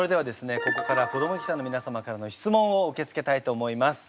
ここから子ども記者の皆様からの質問を受け付けたいと思います。